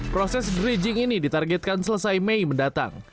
proses dredging ini ditargetkan selesai mei mendatang